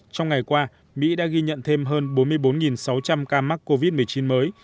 trong ngày qua mỹ đã ghi nhận thêm hơn bốn mươi bốn sáu trăm linh ca mắc covid một mươi chín mới